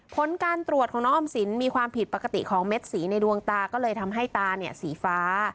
ผลการตรวจของน้องออมสินมีความผิดปกติของเม็ดสีในดวงตาก็เลยทำให้ตาเนี่ยสีฟ้า